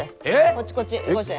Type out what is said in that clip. こっちこっちよこして。